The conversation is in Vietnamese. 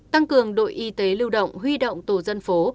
tăng cường đội y tế lưu động huy động tổ dân phố